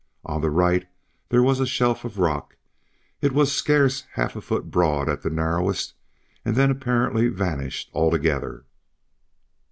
On the right there was a shelf of rock; it was scarce half a foot broad at the narrowest and then apparently vanished altogether.